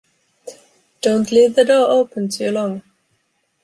Don’t leave the door open too long!